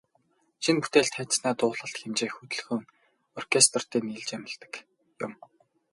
Шинэ бүтээл тайзнаа дуулалт, хэмжээ, хөдөлгөөн, оркестертэй нийлж амилдаг юм.